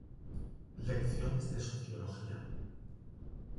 Lecciones de Sociología.